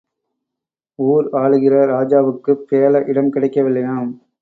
ஊர் ஆளுகிற ராஜாவுக்குப் பேள இடம் கிடைக்கவில்லையாம்.